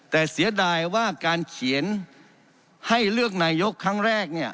แต่เสียดายว่าการเขียนให้เลือกนายกครั้งแรก